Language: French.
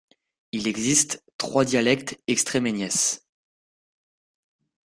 Il existe trois dialectes estrémègnes.